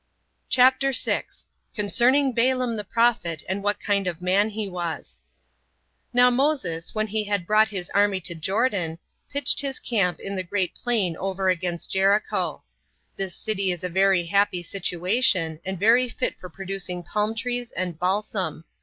CHAPTER 6. Concerning Balaam The Prophet And What Kind Of Man He Was. 1. Now Moses, when he had brought his army to Jordan; pitched his camp in the great plain over against Jericho. This city is a very happy situation, and very fit for producing palm trees and balsam.